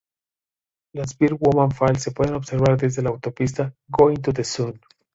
La Bird Woman Falls se puede observar desde la autopista "Going-to-the-Sun".